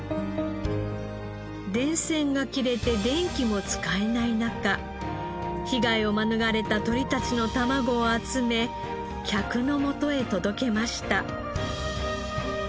電線が切れて電気も使えない中被害を免れた鶏たちのたまごを集め客のもとへ届けました。